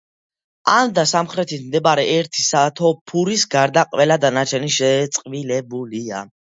ამ და სამხრეთით მდებარე ერთი სათოფურის გარდა, ყველა დანარჩენი შეწყვილებულია.